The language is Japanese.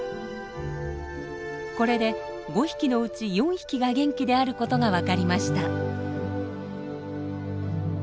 これで５匹のうち４匹が元気であることが分かりました。